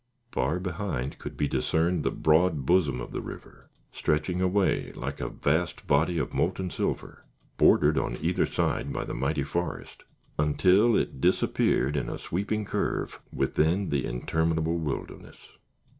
Far behind could be discerned the broad bosom of the river, stretching away like a vast body of molten silver, bordered on either side by the mighty forest, until it disappeared in a sweeping curve, within the interminable wilderness.